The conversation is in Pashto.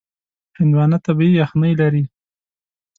هندوانه طبیعي یخنۍ لري.